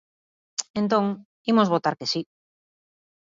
Entón, imos votar que si.